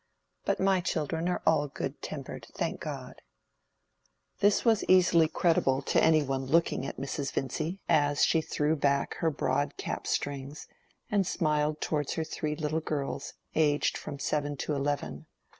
But my children are all good tempered, thank God." This was easily credible to any one looking at Mrs. Vincy as she threw back her broad cap strings, and smiled towards her three little girls, aged from seven to eleven.